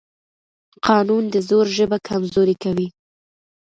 قانون د زور ژبه کمزورې کوي